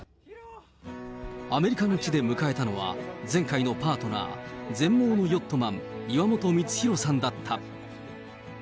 アメリカの地で迎えたのは、前回のパートナー、全盲のヨットマン、岩本光弘さんだった。